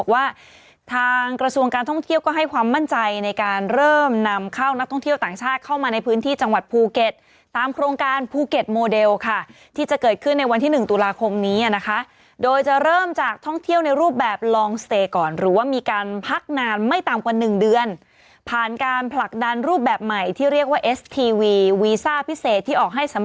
ว่าทางกระทรวงการท่องเที่ยวก็ให้ความมั่นใจในการเริ่มนำเข้านักท่องเที่ยวต่างชาติเข้ามาในพื้นที่จังหวัดภูเก็ตตามโครงการภูเก็ตโมเดลค่ะที่จะเกิดขึ้นในวันที่๑ตุลาคมนี้นะคะโดยจะเริ่มจากท่องเที่ยวในรูปแบบลองสเตย์ก่อนหรือว่ามีการพักนานไม่ต่ำกว่าหนึ่งเดือนผ่านการผลักดันรูปแบบใหม่ที่เรียกว่าเอสทีวีวีซ่าพิเศษที่ออกให้สม